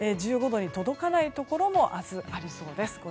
１５度に届かないところも明日、ありそうです。